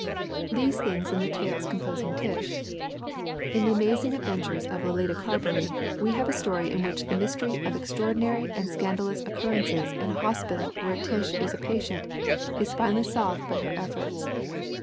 These things in the tales composing Tish; in The Amazing Adven tures of Letitia Carberry we have a story in which the mystery of extraordinary and scandalous occurrences in a hospital where Tish is a patient is finally solved by her efforts.